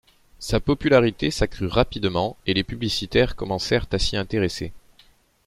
Sa popularité s’accrut rapidement et les publicitaires commencèrent à s'y intéresser.